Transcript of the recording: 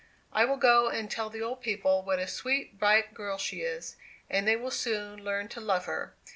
I will go and tell the old people what a sweet bright girl she is; and they will soon learn to love her.